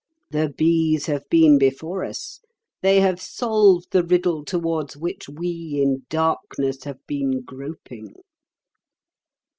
The bees have been before us; they have solved the riddle towards which we in darkness have been groping."